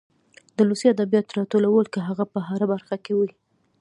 د ولسي ادبياتو راټولو که هغه په هره برخه کې وي.